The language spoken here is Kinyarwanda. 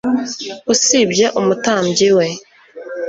usibye umutambyi we